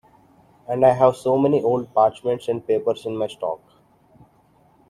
And I have so many old parchments and papers in my stock.